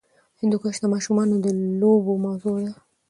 هندوکش د ماشومانو د لوبو موضوع ده.